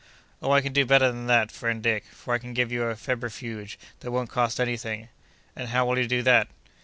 "Oh, I can do better than that, friend Dick; for I can give you a febrifuge that won't cost any thing." "And how will you do that?"